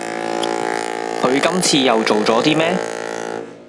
佢今次又做咗啲咩？